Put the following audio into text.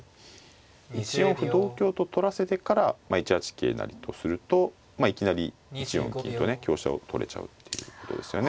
１四歩同香と取らせてから１八桂成とするといきなり１四金とね香車を取れちゃうっていうことですよね。